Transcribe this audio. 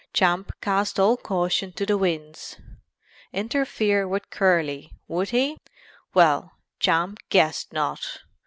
Champ cast all caution to the winds. Interfere with Curly, would he? Well, Champ guessed not!